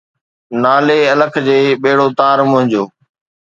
نالي الک جي، ٻيڙو تار منھنجو.